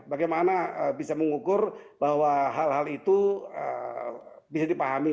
bagaimana bisa mengukur bahwa hal hal itu bisa dipahami